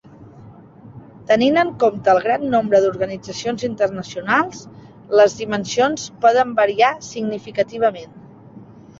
Tenint en compte el gran nombre d'organitzacions internacionals, les dimensions poden variar significativament.